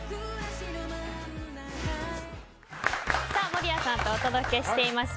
守屋さんとお届けしています